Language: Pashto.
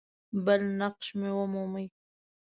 بل نقش مومي.